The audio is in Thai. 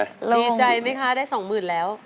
ดีใจไหมคะได้สองหมื่นแล้ว